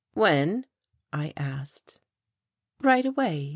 "When?" I asked. "Right away.